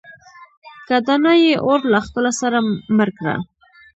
که دانا يې اور له خپله سره مړ کړه.